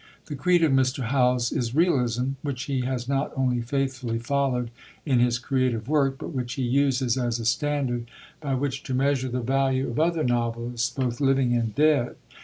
The creed of Mr. Howells is realism, which he has not only faithfully followed in his creative work, but which he uses as a standard by which to measure the value of other novelists, both living and dead.